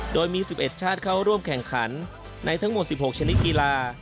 โดยมี๑๑ชาติเข้าร่วมแข่งขันในทั้งหมด๑๖ชนิดกีฬา